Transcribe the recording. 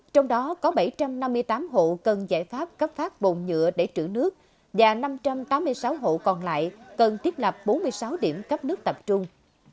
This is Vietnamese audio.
trong đó có bảy trăm năm mươi tám hộ cần giải pháp cấp phát bồn nhựa để trữ nước và năm trăm tám mươi sáu hộ còn lại cần thiết lập bốn mươi sáu điểm cấp nước tập trung